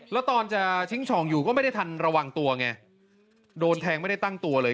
แล้วตอนจะทิ้งช่องอยู่ก็ไม่ได้ทันระวังตัวไงโดนแทงไม่ได้ตั้งตัวเลย